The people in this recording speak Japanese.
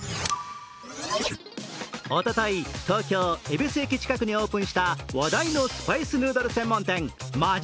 おととい、東京・恵比寿駅近くにオープンした話題のスパイスヌードル専門店ＭａｇｉｃＮｏｏｄｌｅ